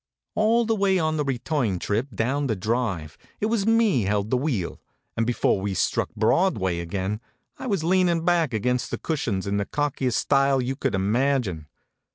All the way on the return trip down the Drive it was me that held the wheel, and be fore we struck Broadway again I was lean in back against the cushions in the cockiest style you could imagine.